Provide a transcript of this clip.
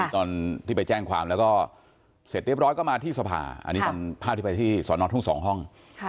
ตอนที่ไปแจ้งความแล้วก็เสร็จเรียบร้อยก็มาที่สภาอันนี้เป็นภาพที่ไปที่สอนอทุ่ง๒ห้อง